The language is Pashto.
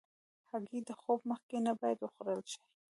هګۍ د خوب مخکې نه باید وخوړل شي.